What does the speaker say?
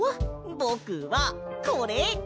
ぼくはこれ！